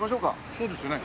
そうですね。